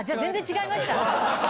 全然違いました！